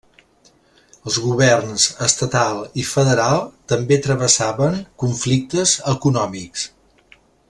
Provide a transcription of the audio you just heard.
Els governs estatal i federal també travessaven conflictes econòmics.